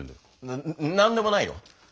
ななんでもないよ。